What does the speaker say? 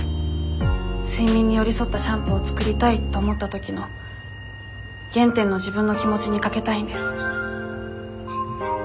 睡眠に寄り添ったシャンプーを作りたいと思った時の原点の自分の気持ちに賭けたいんです。